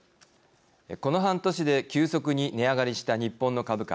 この半年で急速に値上がりした日本の株価。